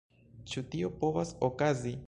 Ĉu tio povas okazi?